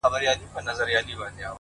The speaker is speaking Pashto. o لاس زما مه نيسه چي اور وانـــخــلـې؛